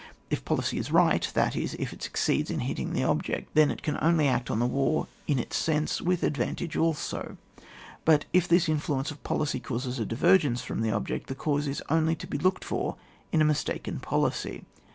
If policy is righty that is, if it succeeds in hitting the object, then it can only act on the war in its sense, with advantage also ; and if this influence of policy causes a divergence from the object, the cause is only to be looked for in a mis taken policy.